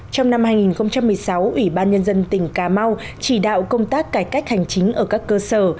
trong năm hai nghìn một mươi sáu ủy ban nhân dân tỉnh cà mau chỉ đạo công tác cải cách hành chính ở các cơ sở